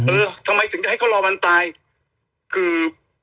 เออทำไมถึงจะให้เขารอวันตายคือ